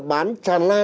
bán tràn lan ở trên